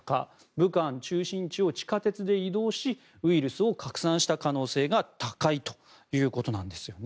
武漢中心地を地下鉄で移動しウイルスを拡散した可能性が高いということなんです。